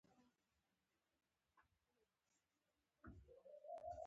ستا په خلاف یې هم ویلای شي.